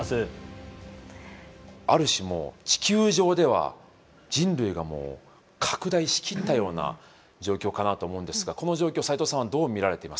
ある種もう地球上では人類が拡大し切ったような状況かなと思うんですがこの状況を斎藤さんはどう見られていますか？